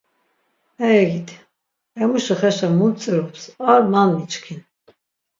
Ey gidi emuşi xeşen mu mtzirups ar man miçkin.